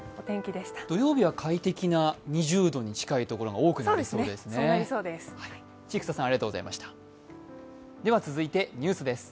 土曜日は快適な２０度に近いところが多くなりそうですね。